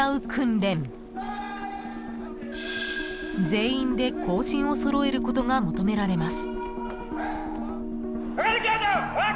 ［全員で行進を揃えることが求められます］